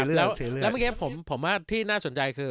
เมื่อกี้ผมผมว่าที่น่าสนใจคือ